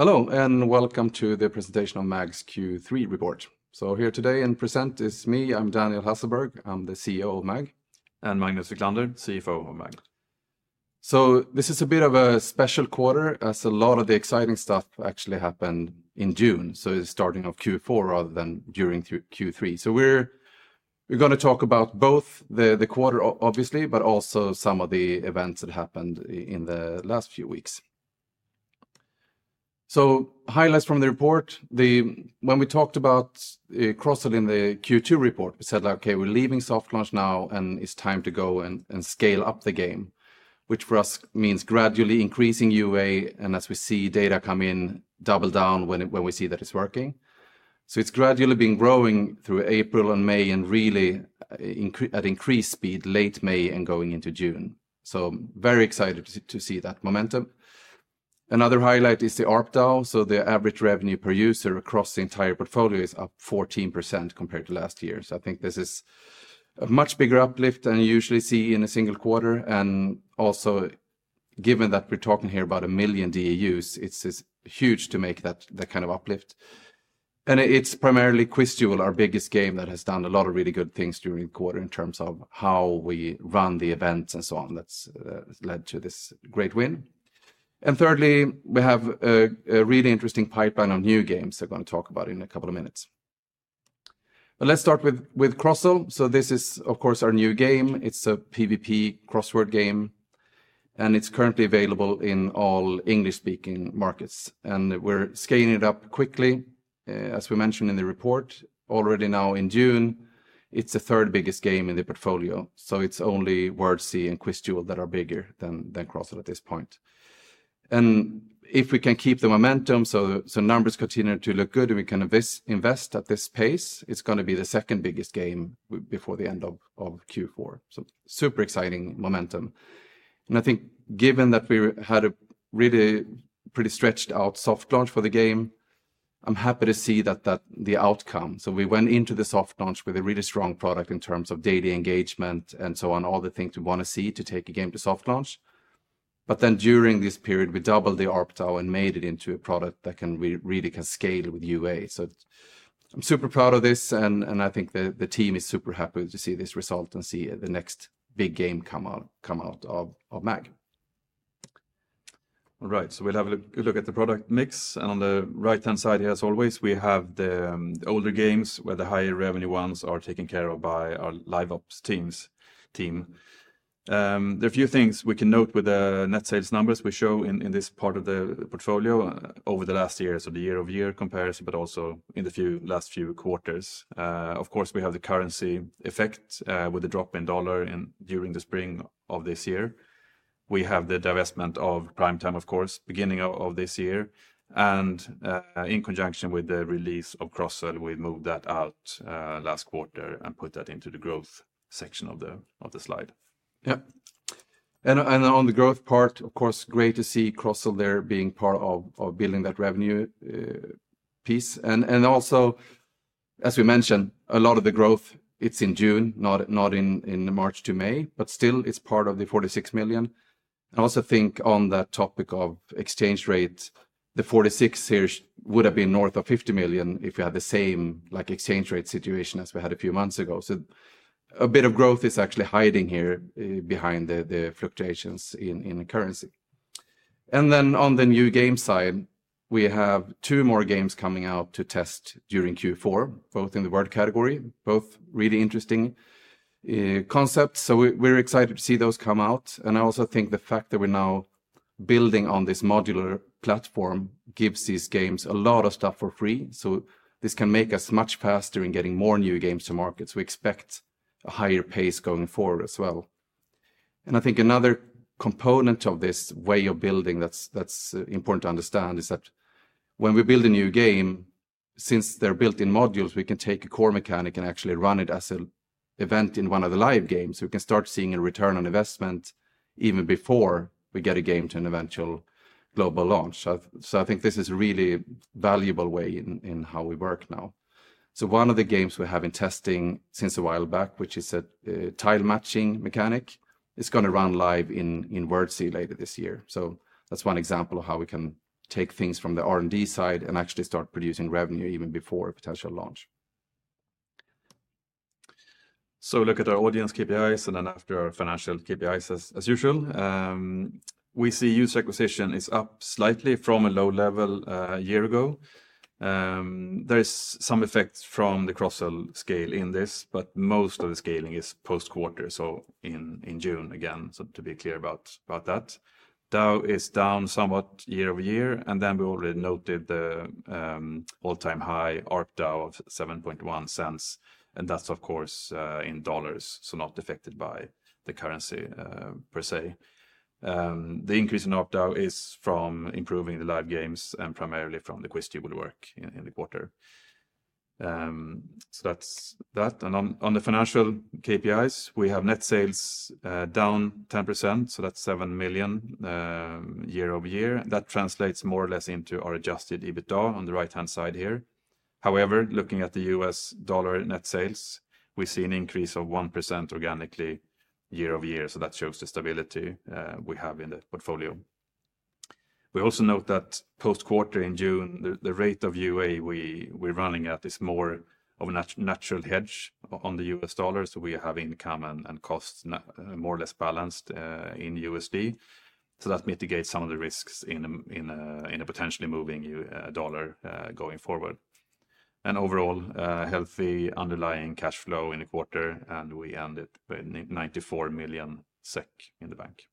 Hello, and welcome to the presentation on MAG's Q3 report. Here today in Present is me, I'm Daniel Hasselberg, I'm the CEO of MAG. Magnus Wiklander, CFO of MAG. This is a bit of a special quarter, as a lot of the exciting stuff actually happened in June, so it's starting off Q4 rather than during Q3. We're going to talk about both the quarter, obviously, but also some of the events that happened in the last few weeks. Highlights from the report, when we talked about Crosshair in the Q2 report, we said, okay, we're leaving Soft Launch now, and it's time to go and scale up the game, which for us means gradually increasing UA, and as we see data come in, double down when we see that it's working. It's gradually been growing through April and May, and really at increased speed late May and going into June. Very excited to see that momentum. Another highlight is the ARPDAU, so the average revenue per user across the entire portfolio is up 14% compared to last year. I think this is a much bigger uplift than you usually see in a single quarter. Also, given that we're talking here about a million DAUs, it's huge to make that kind of uplift. It's primarily Quizduel, our biggest game, that has done a lot of really good things during the quarter in terms of how we run the events and so on. That's led to this great win. Thirdly, we have a really interesting pipeline of new games we're going to talk about in a couple of minutes. Let's start with Crosshair. This is, of course, our new game. It's a PvP crossword game, and it's currently available in all English-speaking markets. We're scaling it up quickly, as we mentioned in the report, already now in June. It's the third biggest game in the portfolio. It's only Wordsea and Quizduel that are bigger than Crosshair at this point. If we can keep the momentum, so numbers continue to look good, and we can invest at this pace, it's going to be the second biggest game before the end of Q4. Super exciting momentum. I think given that we had a really pretty stretched out soft launch for the game, I'm happy to see that outcome. We went into the soft launch with a really strong product in terms of daily engagement and so on, all the things we want to see to take a game to soft launch. During this period, we doubled the ARPDAU and made it into a product that can really scale with UA. I am super proud of this, and I think the team is super happy to see this result and see the next big game come out of MAG. All right, so we'll have a look at the product mix. On the right-hand side, as always, we have the older games where the higher revenue ones are taken care of by our live ops teams. There are a few things we can note with the net sales numbers we show in this part of the portfolio over the last years, so the year-over-year comparison, but also in the last few quarters. Of course, we have the currency effect with the drop in dollar during the spring of this year. We have the divestment of Prime Time, of course, beginning of this year. In conjunction with the release of Crosshair, we moved that out last quarter and put that into the growth section of the slide. Yeah. On the growth part, of course, great to see Crosshair there being part of building that revenue piece. Also, as we mentioned, a lot of the growth, it is in June, not in March to May, but still it is part of the 46 million. I also think on that topic of exchange rate, the 46 million here would have been north of 50 million if we had the same exchange rate situation as we had a few months ago. A bit of growth is actually hiding here behind the fluctuations in currency. On the new game side, we have two more games coming out to test during Q4, both in the word category, both really interesting concepts. We are excited to see those come out. I also think the fact that we're now building on this modular platform gives these games a lot of stuff for free. This can make us much faster in getting more new games to market. We expect a higher pace going forward as well. I think another component of this way of building that's important to understand is that when we build a new game, since they're built in modules, we can take a core mechanic and actually run it as an event in one of the live games. We can start seeing a return on investment even before we get a game to an eventual global launch. I think this is a really valuable way in how we work now. One of the games we have in testing since a while back, which is a tile matching mechanic, is going to run live in Wordsea later this year. That is one example of how we can take things from the R&D side and actually start producing revenue even before potential launch. Look at our audience KPIs and then after our financial KPIs, as usual. We see user acquisition is up slightly from a low level a year ago. There is some effect from the Crosshair scale in this, but most of the scaling is post-quarter, in June again, to be clear about that. DAU is down somewhat year over year, and we already noted the all-time high ARPDAU of $7.1, and that is, of course, in dollars, so not affected by the currency per se. The increase in ARPDAU is from improving the live games and primarily from the Quizduel work in the quarter. That is that. On the financial KPIs, we have net sales down 10%, so that is $7 million year over year. That translates more or less into our adjusted EBITDA on the right-hand side here. However, looking at the US dollar net sales, we see an increase of 1% organically year over year, so that shows the stability we have in the portfolio. We also note that post-quarter in June, the rate of UA we're running at is more of a natural hedge on the US dollar, so we have income and costs more or less balanced in USD. That mitigates some of the risks in a potentially moving dollar going forward. Overall, healthy underlying cash flow in the quarter, and we ended with 94 million SEK in the bank.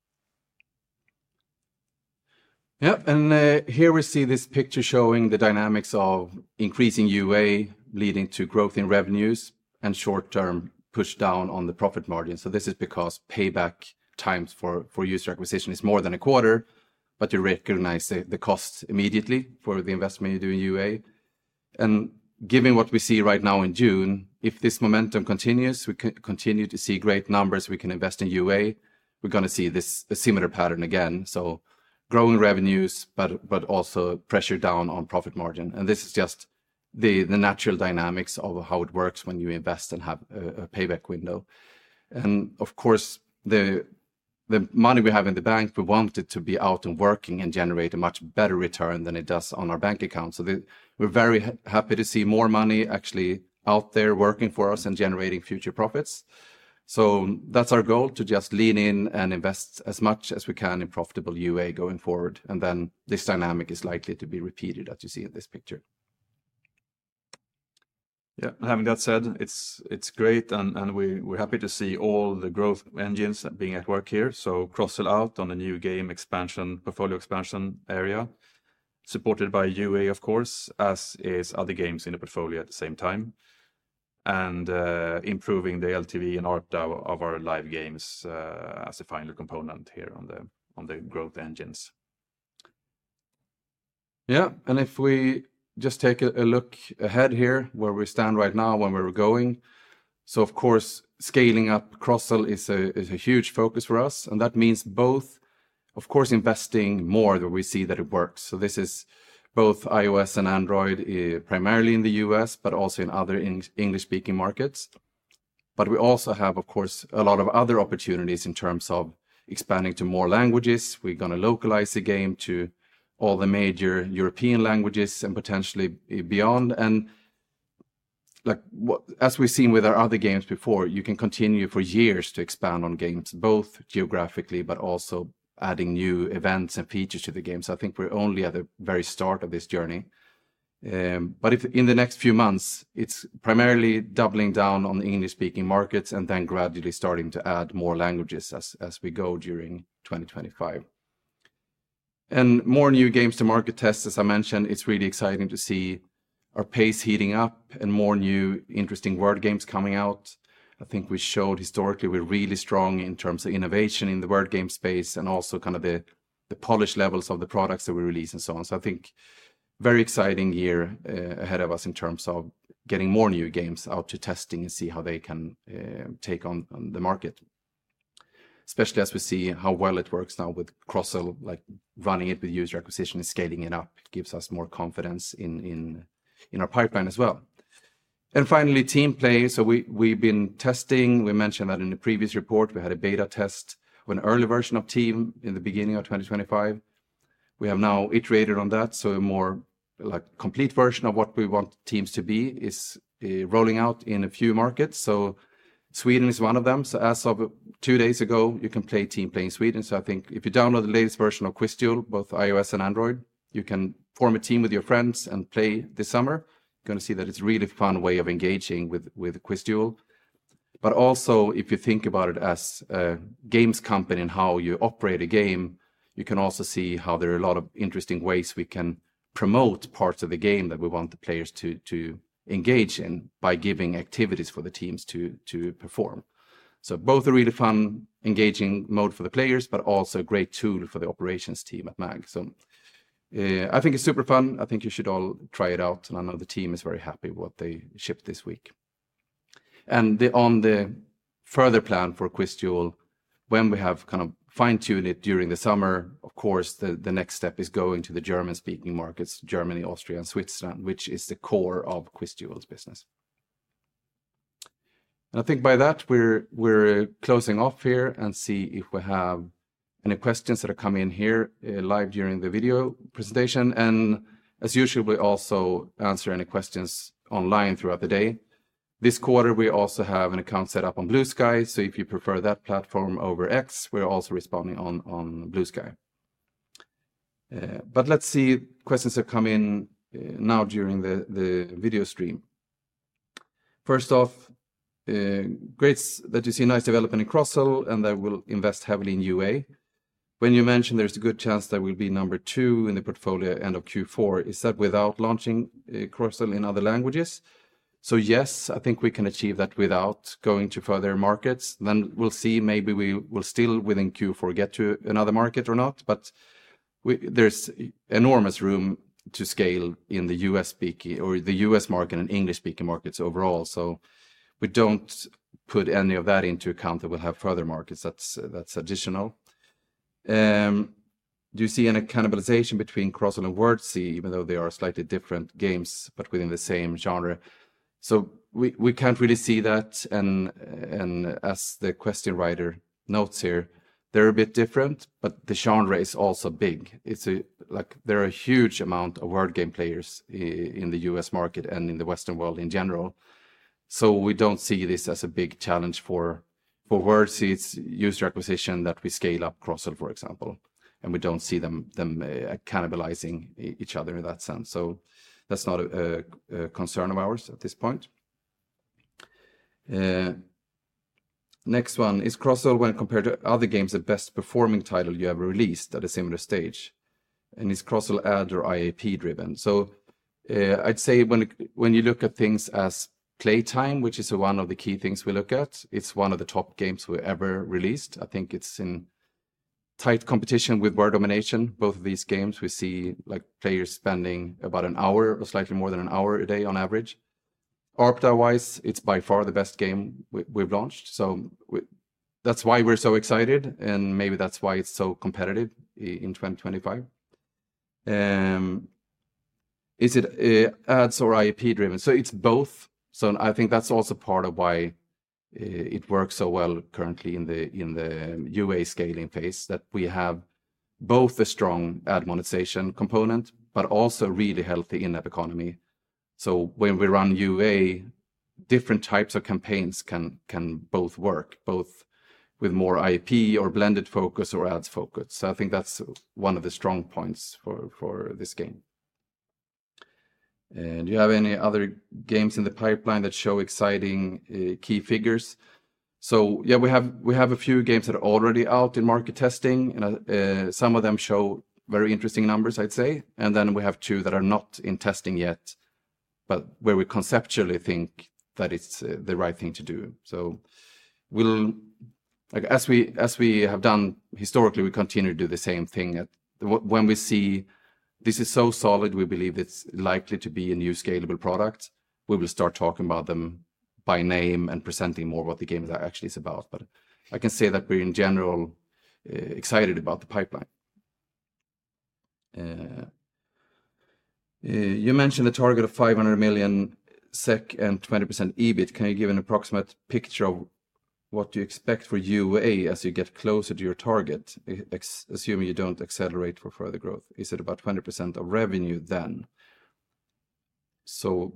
Yeah, and here we see this picture showing the dynamics of increasing UA leading to growth in revenues and short-term push down on the profit margin. This is because payback times for user acquisition is more than a quarter, but you recognize the cost immediately for the investment you do in UA. Given what we see right now in June, if this momentum continues, we continue to see great numbers, we can invest in UA, we're going to see a similar pattern again. Growing revenues, but also pressure down on profit margin. This is just the natural dynamics of how it works when you invest and have a payback window. Of course, the money we have in the bank, we want it to be out and working and generate a much better return than it does on our bank account. We're very happy to see more money actually out there working for us and generating future profits. That's our goal, to just lean in and invest as much as we can in profitable UA going forward. This dynamic is likely to be repeated, as you see in this picture. Yeah, and having that said, it's great, and we're happy to see all the growth engines being at work here. Crosshair out on the new game portfolio expansion area, supported by UA, of course, as is other games in the portfolio at the same time. Improving the LTV and ARPDAU of our live games as a final component here on the growth engines. Yeah, and if we just take a look ahead here, where we stand right now, when we were going. Of course, scaling up Crosshair is a huge focus for us. That means both, of course, investing more where we see that it works. This is both iOS and Android, primarily in the US, but also in other English-speaking markets. We also have, of course, a lot of other opportunities in terms of expanding to more languages. We're going to localize the game to all the major European languages and potentially beyond. As we've seen with our other games before, you can continue for years to expand on games, both geographically, but also adding new events and features to the game. I think we're only at the very start of this journey. In the next few months, it's primarily doubling down on the English-speaking markets and then gradually starting to add more languages as we go during 2025. More new games to market tests, as I mentioned, it's really exciting to see our pace heating up and more new interesting word games coming out. I think we showed historically we're really strong in terms of innovation in the word game space and also kind of the polish levels of the products that we release and so on. I think very exciting year ahead of us in terms of getting more new games out to testing and see how they can take on the market. Especially as we see how well it works now with Crosshair, like running it with user acquisition and scaling it up, it gives us more confidence in our pipeline as well. Finally, team play. We have been testing. We mentioned that in the previous report, we had a beta test of an early version of Team in the beginning of 2025. We have now iterated on that. A more complete version of what we want Teams to be is rolling out in a few markets. Sweden is one of them. As of 2 days ago, you can play Team play in Sweden. I think if you download the latest version of Quizduel, both iOS and Android, you can form a team with your friends and play this summer. You are going to see that it is a really fun way of engaging with Quizduel. But also, if you think about it as a games company and how you operate a game, you can also see how there are a lot of interesting ways we can promote parts of the game that we want the players to engage in by giving activities for the teams to perform. Both a really fun, engaging mode for the players, but also a great tool for the operations team at MAG. I think it's super fun. I think you should all try it out. I know the team is very happy with what they shipped this week. On the further plan for Quizduel, when we have kind of fine-tuned it during the summer, of course, the next step is going to the German-speaking markets, Germany, Austria, and Switzerland, which is the core of Quizduel's business. I think by that, we're closing off here and see if we have any questions that are coming in here live during the video presentation. As usual, we also answer any questions online throughout the day. This quarter, we also have an account set up on BlueSky. If you prefer that platform over X, we're also responding on BlueSky. Let's see questions that come in now during the video stream. First off, great that you see nice development in Crosshair and that we'll invest heavily in UA. When you mentioned there's a good chance that we'll be number two in the portfolio end of Q4, is that without launching Crosshair in other languages? Yes, I think we can achieve that without going to further markets. We will see, maybe we will still within Q4 get to another market or not, but there is enormous room to scale in the US market and English-speaking markets overall. We do not put any of that into account that we will have further markets. That is additional. Do you see any cannibalization between Crosshair and Wordsea, even though they are slightly different games, but within the same genre? We cannot really see that. As the question writer notes here, they are a bit different, but the genre is also big. There are a huge amount of word game players in the US market and in the Western world in general. We do not see this as a big challenge for Wordsea's user acquisition that we scale up Crosshair, for example. We do not see them cannibalizing each other in that sense. That is not a concern of ours at this point. Next one is Crosshair, when compared to other games, the best performing title you ever released at a similar stage? Is Crosshair ad or IAP driven? I'd say when you look at things as playtime, which is one of the key things we look at, it's one of the top games we ever released. I think it's in tight competition with Word Domination. Both of these games, we see players spending about an hour or slightly more than an hour a day on average. ARPDAU-wise, it's by far the best game we've launched. That's why we're so excited, and maybe that's why it's so competitive in 2025. Is it ads or IAP driven? It's both. I think that's also part of why it works so well currently in the UA scaling phase, that we have both a strong ad monetization component, but also a really healthy in-app economy. When we run UA, different types of campaigns can both work, both with more IAP or blended focus or ads focus. I think that's one of the strong points for this game. Do you have any other games in the pipeline that show exciting key figures? Yeah, we have a few games that are already out in market testing. Some of them show very interesting numbers, I'd say. We have two that are not in testing yet, but where we conceptually think that it's the right thing to do. As we have done historically, we continue to do the same thing. When we see this is so solid, we believe it's likely to be a new scalable product, we will start talking about them by name and presenting more what the game actually is about. I can say that we're in general excited about the pipeline. You mentioned a target of 500 million SEK and 20% EBIT. Can you give an approximate picture of what you expect for UA as you get closer to your target, assuming you don't accelerate for further growth? Is it about 20% of revenue then?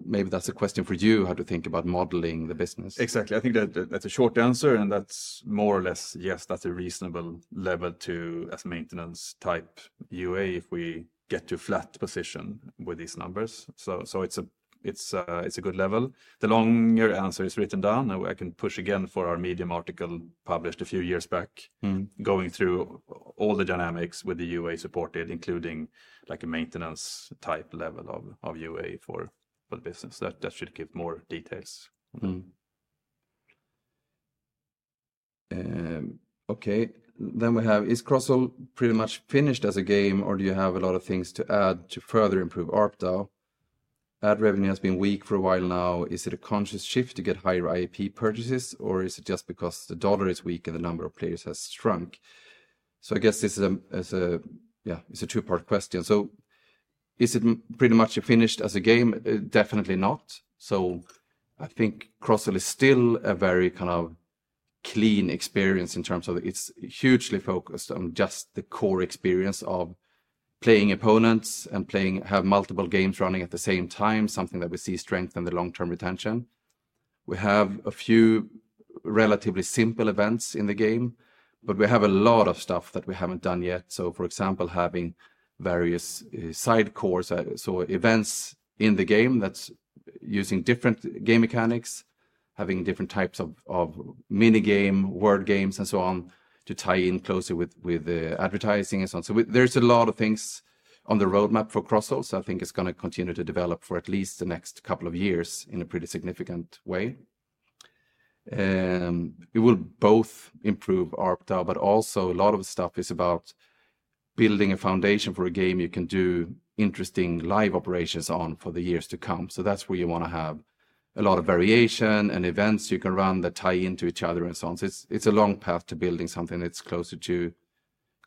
Maybe that's a question for you, how to think about modeling the business. Exactly. I think that's a short answer, and that's more or less, yes, that's a reasonable level to as maintenance type UA if we get to a flat position with these numbers. It's a good level. The longer answer is written down, and I can push again for our Medium article published a few years back, going through all the dynamics with the UA supported, including a maintenance type level of UA for the business. That should give more details. Okay, then we have, is Crosshair pretty much finished as a game, or do you have a lot of things to add to further improve ARPDAU? Ad revenue has been weak for a while now. Is it a conscious shift to get higher IAP purchases, or is it just because the dollar is weak and the number of players has shrunk? I guess this is a, yeah, it's a two-part question. Is it pretty much finished as a game? Definitely not. I think Crosshair is still a very kind of clean experience in terms of it's hugely focused on just the core experience of playing opponents and playing, have multiple games running at the same time, something that we see strengthen the long-term retention. We have a few relatively simple events in the game, but we have a lot of stuff that we haven't done yet. For example, having various side cores, so events in the game that's using different game mechanics, having different types of mini-game, word games, and so on to tie in closely with advertising and so on. There's a lot of things on the roadmap for Crosshair. I think it's going to continue to develop for at least the next couple of years in a pretty significant way. It will both improve ARPDAU, but also a lot of the stuff is about building a foundation for a game you can do interesting live operations on for the years to come. That's where you want to have a lot of variation and events you can run that tie into each other and so on. It's a long path to building something that's closer to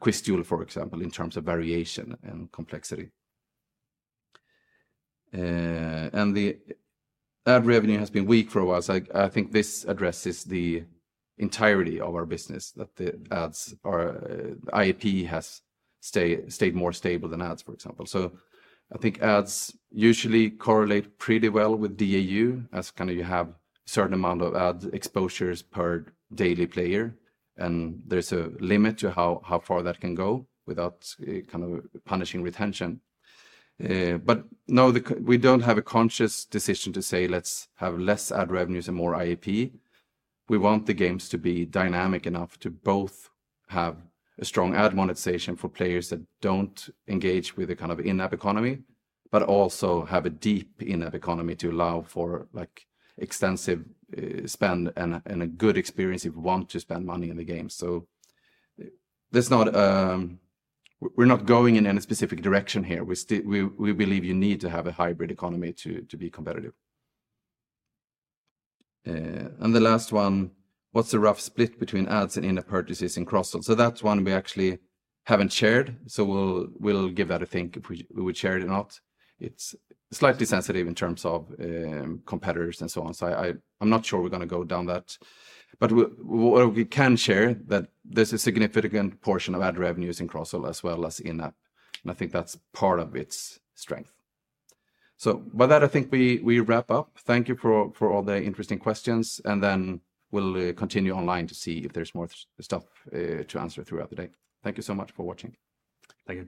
Quizduel, for example, in terms of variation and complexity. The ad revenue has been weak for a while. I think this addresses the entirety of our business, that the ads, IAP has stayed more stable than ads, for example. I think ads usually correlate pretty well with DAU, as you have a certain amount of ad exposures per daily player, and there is a limit to how far that can go without punishing retention. No, we do not have a conscious decision to say, let's have less ad revenues and more IAP. We want the games to be dynamic enough to both have a strong ad monetization for players that do not engage with the in-app economy, but also have a deep in-app economy to allow for extensive spend and a good experience if you want to spend money in the game. We are not going in any specific direction here. We believe you need to have a hybrid economy to be competitive. The last one, what's the rough split between ads and in-app purchases in Crosshair? That's one we actually haven't shared. We'll give that a think if we would share it or not. It's slightly sensitive in terms of competitors and so on. I'm not sure we're going to go down that. What we can share is that there's a significant portion of ad revenues in Crosshair as well as in-app. I think that's part of its strength. By that, I think we wrap up. Thank you for all the interesting questions. We'll continue online to see if there's more stuff to answer throughout the day. Thank you so much for watching. Thank you.